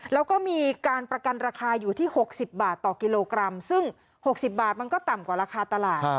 แล้วก็มีการประกันราคาอยู่ที่๖๐บาทต่อกิโลกรัมซึ่ง๖๐บาทมันก็ต่ำกว่าราคาตลาด